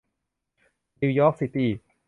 นิวยอร์คซิตี้